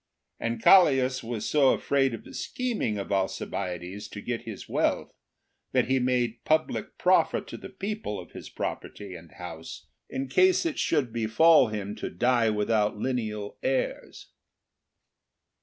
And Callias was so afraid of the scheming of Alcibiades to get his wealth, that he made public proffer to the people of his property and house in case it should befall him to die without lineal heirs.